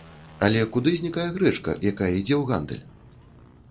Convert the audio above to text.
Але, куды знікае грэчка, якая ідзе ў гандаль?